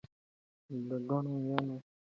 د ګاونډیانو محتاج باید نه اوسو.